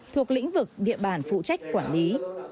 thuộc lĩnh vực địa bàn phụ trách quản lý